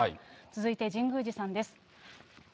続いて、神宮寺さんです。